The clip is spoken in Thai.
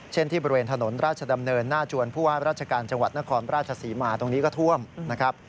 ที่บริเวณถนนราชดำเนินหน้าจวนผู้ว่าราชการจังหวัดนครราชศรีมาตรงนี้ก็ท่วมนะครับ